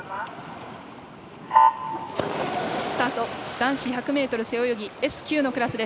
男子１００ｍ背泳ぎＳ９のクラス。